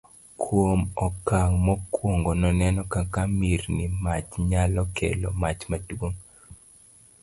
kuom okang' mokuongo noneno kaka mirni mach nyalo kelo mach maduong'